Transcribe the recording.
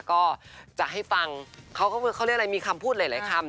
ก็จะให้ฟังเขาก็เขาเรียกอะไรมีคำพูดหลายคำ